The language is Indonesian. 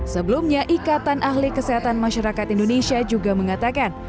sebelumnya ikatan ahli kesehatan masyarakat indonesia juga mengatakan